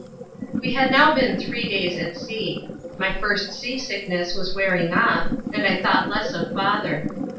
We had now been three days at sea. My first sea sickness was wearing off, and I thought less of father.